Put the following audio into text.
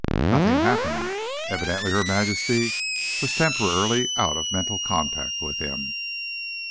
_ Nothing happened. Evidently, Her Majesty was temporarily out of mental contact with him.